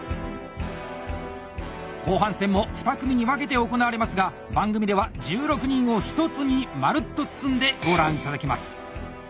後半戦も２組に分けて行われますが番組では１６人を１つにまるっと包んでご覧いただきます！